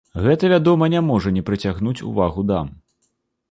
Гэта, вядома, не можа не прыцягнуць увагу дам.